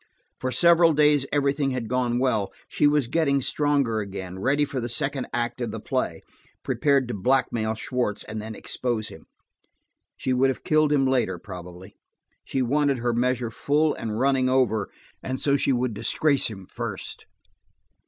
For several days everything had gone well: she was getting stronger again, ready for the second act of the play, prepared to blackmail Schwartz, and then expose him. She would have killed him later, probably; she wanted her measure full and running over, and so she would disgrace him first.